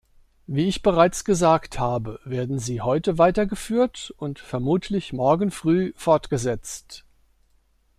Wie ich bereits gesagt habe, werden sie heute weitergeführt und vermutlich morgen früh fortgesetzt.